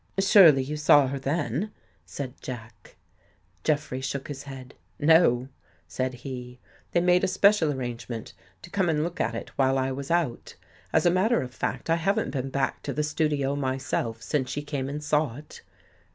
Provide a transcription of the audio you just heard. " Surely you saw her then," said Jack. Jeffrey shook his head. " No," said he. " They made a special arrangement to come and look at it while I was out. As a matter of fact, I haven't been back to the studio myself since she came and saw it.